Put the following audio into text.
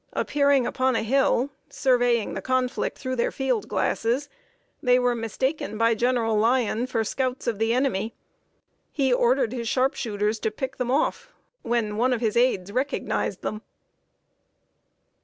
Appearing upon a hill, surveying the conflict through their field glasses, they were mistaken by General Lyon for scouts of the enemy. He ordered his sharpshooters to pick them off, when one of his aids recognized them.